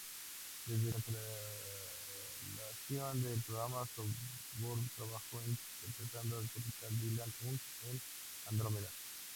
Desde la cancelación del programa, Sorbo trabajó interpretando al Capitán Dylan Hunt en "Andrómeda".